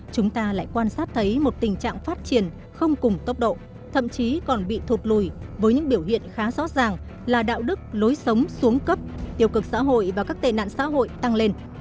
chúng ta lại quan sát thấy một tình trạng phát triển không cùng tốc độ thậm chí còn bị thụt lùi với những biểu hiện khá rõ ràng là đạo đức lối sống xuống cấp tiêu cực xã hội và các tệ nạn xã hội tăng lên